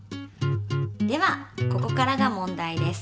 ではここからが問題です。